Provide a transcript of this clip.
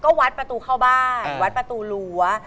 ก็วัดประตูเข้าบ้านวัดประตูรั้ว